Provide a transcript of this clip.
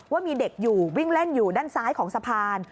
ว่ามีเด็กอยู่วิ่งเล่นอยู่ด้านซ้ายของสะพาน